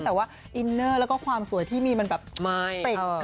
แต่ว่าอินเนอร์แล้วก็ความสวยที่มีมันแบบติด